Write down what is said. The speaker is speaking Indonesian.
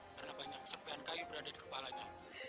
karena banyak serpean kayu berada di kepalanya